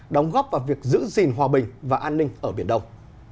đóng góp vào việc giữ gìn hòa bình và an ninh ở biển đông